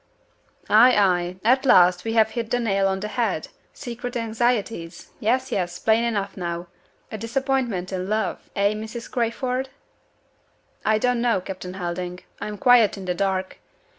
"Ay! ay! At last we have hit the nail on the head! Secret anxieties. Yes! yes! Plain enough now. A disappointment in love eh, Mrs. Crayford?" "I don't know, Captain Helding; I am quite in the dark.